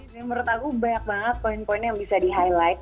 menurut aku banyak banget poin poin yang bisa di highlight